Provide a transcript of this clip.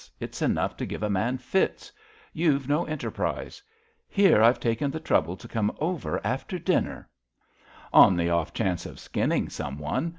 It's enough to give a man fits. You've no enterprise. Here I've taken the trouble to come over after dinner "On the off chance of skinning some one.